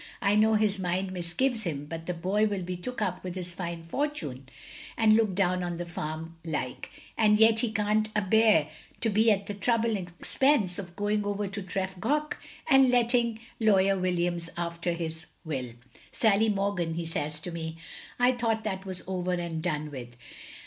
I know his mind mis gives him but the boy will be took up with this fine fortune and look down on the farm — ^like; and yet he can't abear to be at the trouble and expense of going over to Tref goch and letting Lawyer Williams alter his will. * Sally Morgan, * he says to me, *I thought that was over and done with.